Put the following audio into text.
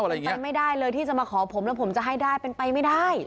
ไปไม่ได้เลยที่จะมาขอผมแล้วผมจะให้ได้เป็นไปไม่ได้